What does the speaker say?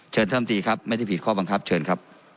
ท่านอำตีครับไม่ได้ผิดข้อบังคับเชิญครับ